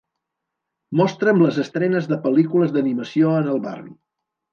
Mostra'm les estrenes de pel·lícules d'animació en el barri.